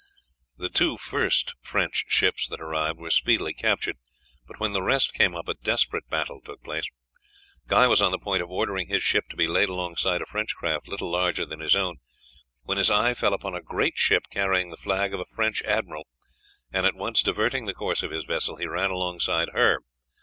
The two first French ships that arrived were speedily captured, but when the rest came up a desperate battle took place. Guy was on the point of ordering his ship to be laid alongside a French craft little larger than his own, when his eye fell upon a great ship carrying the flag of a French admiral, and at once diverting the course of his vessel, he ran alongside her.